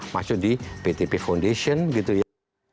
masuk di ptp foundation gitu ya